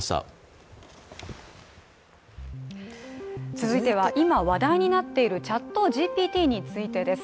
続いては、今話題になっているＣｈａｔＧＰＴについてです。